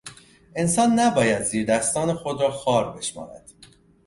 انسان نباید زیردستان خود را خوار بشمارد.